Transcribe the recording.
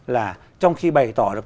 là trong khi bày tỏ được